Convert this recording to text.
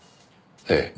ええ。